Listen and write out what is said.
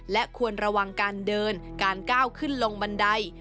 และควรระวังการเดินการก้าวขึ้นลงบันได